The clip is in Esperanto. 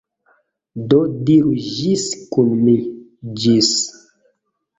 Do diru ĝis kun mi. Ĝis!